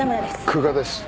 久我です。